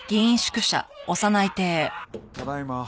ただいま。